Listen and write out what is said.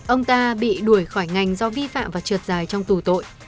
ông ta bị đuổi khỏi ngành do vi phạm và trượt dài trong tù tội